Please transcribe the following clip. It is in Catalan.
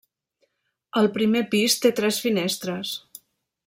El primer pis té tres finestres.